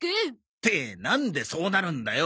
ってなんでそうなるんだよ！